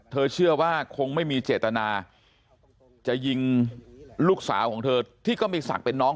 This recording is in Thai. เชื่อว่าคงไม่มีเจตนาจะยิงลูกสาวของเธอที่ก็มีศักดิ์เป็นน้อง